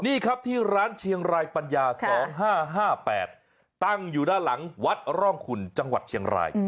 นี่ครับที่ร้านเชียงรายปัญญา๒๕๕๘ตั้งอยู่ด้านหลังวัดร่องคุณจังหวัดเชียงราย